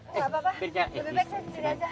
gak apa apa lebih baik saya disini aja